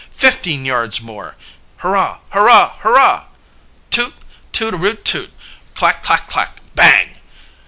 "Fifteen yards more!" "Hurrah! Hurrah! Hurrah!" Toot! toot a root toot! Clack clack clack, bang!